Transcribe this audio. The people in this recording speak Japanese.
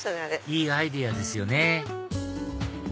いいアイデアですよね